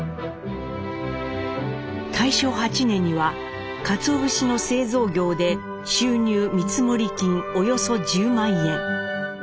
大正８年にはかつお節の製造業で収入見積金およそ１０万円。